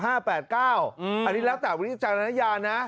อันนี้แล้วแต่วิธีจารยานะ